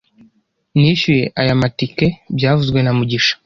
Nishyuye aya matike byavuzwe na mugisha